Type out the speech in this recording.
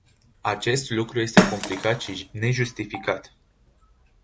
Acest lucru este complicat și nejustificat.